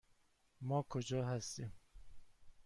ما کجا هستیم؟